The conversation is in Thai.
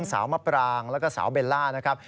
สาวมะปรางแล้วก็สาวเบลล่านะครับ